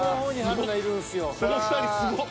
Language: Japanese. この２人すごっ。